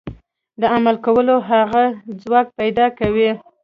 د عمل کولو هغه ځواک پيدا کوي.